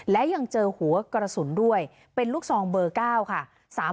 และยังเจอหัวกระสุนด้วยเป็นลูกซองเบอร์๙ค่ะ